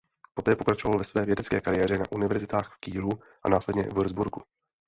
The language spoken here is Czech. Poté pokračoval ve své vědecké kariéře na univerzitách v Kielu a následně Würzburgu.